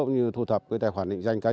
như thu thập cái tài khoản định danh cá nhân